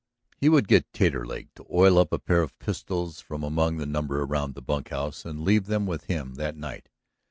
He would get Taterleg to oil up a pair of pistols from among the number around the bunkhouse and leave them with him that night.